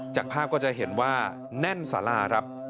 จากภาพก็จะเห็นว่าแน่นสาราครับ